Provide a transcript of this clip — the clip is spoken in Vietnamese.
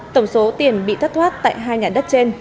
tổng số tiền bị thất thoát tại hai nhà đất trên